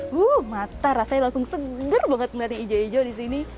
wuh mata rasanya langsung seger banget ngeri hijau hijau disini